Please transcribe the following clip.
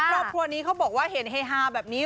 ครอบครัวนี้เขาบอกว่าเห็นเฮฮาแบบนี้